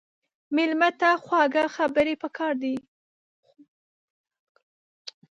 مېلمه ته خواږه خبرې پکار دي.